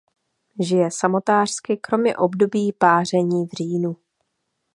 Žije samotářsky kromě období páření v říjnu.